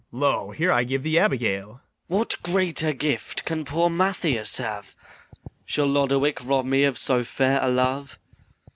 Lo, here I give thee Abigail! MATHIAS. What greater gift can poor Mathias have? Shall Lodowick rob me of so fair a love?